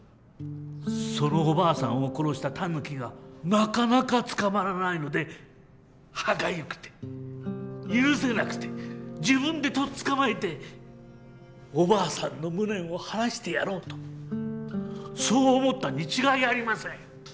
そのおばあさんを殺したタヌキがなかなか捕まらないので歯がゆくて許せなくて自分でとっつかまえておばあさんの無念を晴らしてやろうとそう思ったに違いありません。